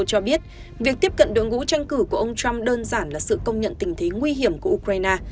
cho biết việc tiếp cận đội ngũ tranh cử của ông trump đơn giản là sự công nhận tình thế nguy hiểm của ukraine